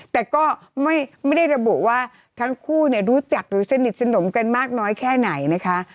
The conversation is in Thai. แต่ก็ไม่ได้ระบุว่าทั้งคู่รู้จักหรือสนิทสนมกันมากน้อยแค่ไหนนะคะ